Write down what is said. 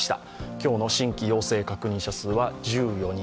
今日の新規陽性確認者数は１４人。